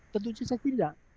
tentu saja tidak